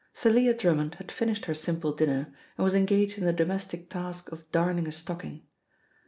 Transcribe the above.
Thalia Drummond had finished her simple dinner and was engaged in the domestic task of darning a stocking.